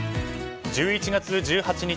１１月１８日